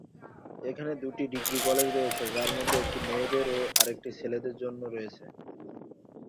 এখানে দুটি degree college রয়েছে, যার মধ্যে একটি মেয়েদের ও আরেকটি ছেলেদের জন্য রয়েছে।